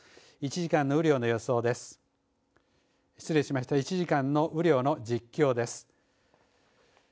１時間の雨量の実況です。